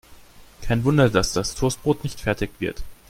Kein Wunder, dass das Toastbrot nicht fertig wird.